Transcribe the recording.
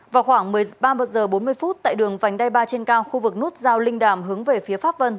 vào khoảng một mươi ba h bốn mươi tại đường vành đai ba trên cao khu vực nút giao linh đàm hướng về phía pháp vân